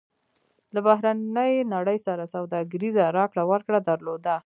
له بهرنۍ نړۍ سره سوداګریزه راکړه ورکړه درلوده.